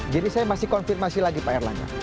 jadi saya masih konfirmasi lagi pak erlangga